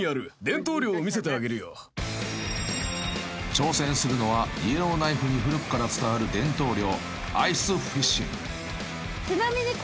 ［挑戦するのはイエローナイフに古くから伝わる伝統漁］